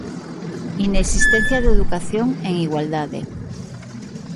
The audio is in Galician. Inexistencia de educación en igualdade.